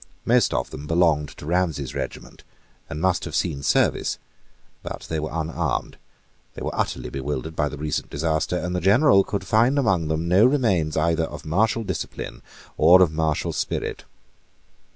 Most of them belonged to Ramsay's regiment, and must have seen service. But they were unarmed: they were utterly bewildered by the recent disaster; and the general could find among them no remains either of martial discipline or of martial spirit.